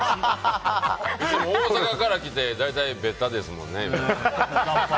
大阪から来て大体ベタですもんね。